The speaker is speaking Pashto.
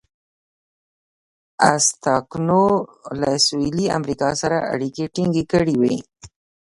ازتکانو له سویلي امریکا سره اړیکې ټینګې کړې وې.